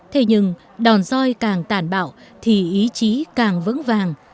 thế nhưng đòn roi càng tàn bạo thì ý chí càng vững vàng